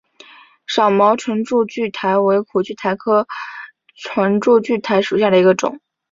少毛唇柱苣苔为苦苣苔科唇柱苣苔属下的一个种。